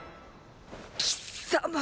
貴様！